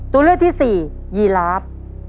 ตัวเลือกที่สี่ยีลาฟ